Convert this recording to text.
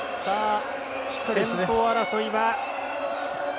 先頭争いは。